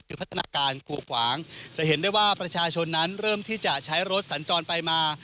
คือพัฒนาการกูขวางจะเห็นได้ว่าประชาชนนั้นเริ่มที่จะใช้รถสัญจรไปมา